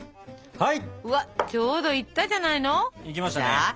はい。